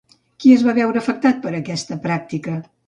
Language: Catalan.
Qui es va veure afectat per aquesta pràctica?